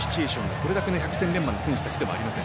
これだけの百戦錬磨の選手たちでもありません。